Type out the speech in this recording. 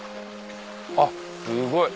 あっすごい。